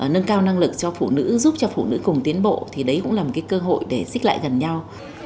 nâng cao năng lực cho phụ nữ giúp cho phụ nữ cùng tiến bộ thì đấy cũng là một cái cơ hội để xích lại gần nhau